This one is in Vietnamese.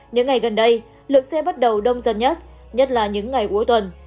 những ngày gần đây lượng xe bắt đầu đông dân nhất nhất là những ngày cuối tuần